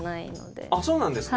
あっそうなんですか？